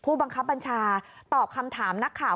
บังคับบัญชาตอบคำถามนักข่าว